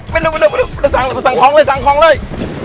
ไม่ต้องถูกต้องสั่งคล่องเลย